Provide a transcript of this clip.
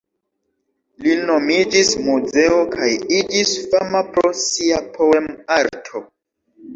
Li nomiĝis Muzeo, kaj iĝis fama pro sia poem-arto.